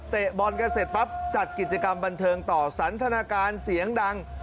บอลกันเสร็จปั๊บจัดกิจกรรมบันเทิงต่อสันทนาการเสียงดัง